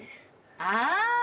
ああ！